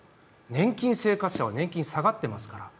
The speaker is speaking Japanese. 年金生活者は年金下がってますから。